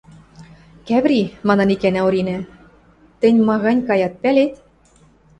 — Кӓври, — манын икӓнӓ Оринӓ, — тӹнь ма гань каят, пӓлет?